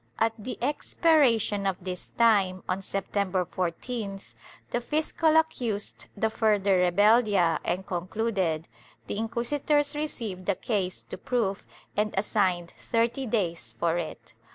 At the expiration of this time, on September 14th, the fiscal accused the further rebeldia and concluded ; the inquisitors received the case to proof and assigned thirty days for it.